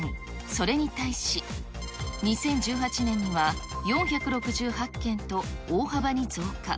それに対し、２０１８年には４６８件と、大幅に増加。